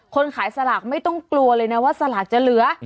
คนขายสลากไม่ต้องกลัวเลยนะว่าสลากจะเหลือ